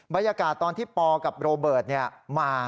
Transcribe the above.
บรรยากาศตอนที่ปกับโรเบิร์ตมา